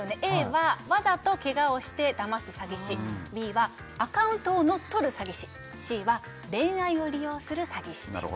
Ａはわざとけがをしてだます詐欺師Ｂはアカウントを乗っ取る詐欺師Ｃは恋愛を利用する詐欺師です